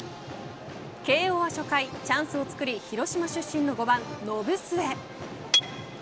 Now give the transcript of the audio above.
慶応は初回チャンスをつくり広島出身の５番延末。